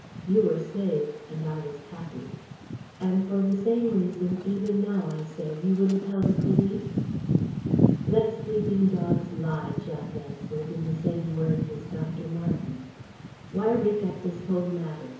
You were saved, and I was happy." "And for the same reason even now," I said, "you wouldn't tell the police?" "Let sleeping dogs lie," Jack answered, in the same words as Dr. Marten. "Why rake up this whole matter?